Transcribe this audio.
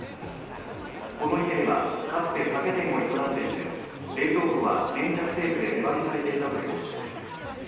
この家ではかつて酒店を営んでいて冷蔵庫は粘着テープで目張りされていたということです。